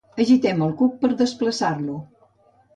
Agitem el cuc per desendreçar-lo.